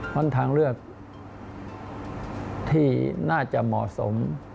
เพราะทางเลือกที่น่าจะเหมาะสม